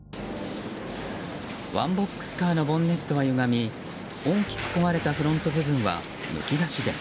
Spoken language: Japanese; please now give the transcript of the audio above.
ワンボックスカーのボンネットはゆがみ大きく壊れたフロント部分はむき出しです。